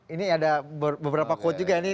ini ada beberapa quote juga nih